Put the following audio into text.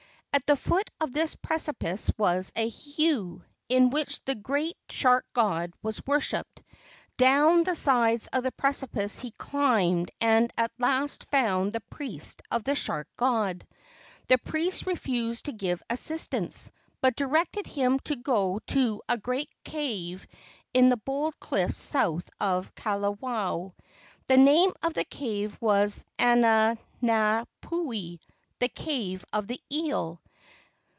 At the foot of this precipice was a heiau, in which the great shark god was worshipped. Down the sides of the precipice he climbed and at last found the priest of the shark god. The priest refused to give assistance, but directed him to go to a great cave in the bold cliffs south of Kalawao. The name of the cave was Anao puhi, the cave of the eel.